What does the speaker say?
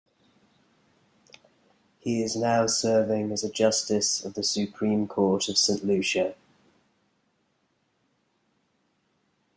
He is now serving as a Justice of the Supreme Court of Saint Lucia.